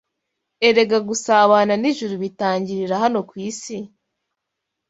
Erega gusabana n’ijuru bitangirira hano ku isi!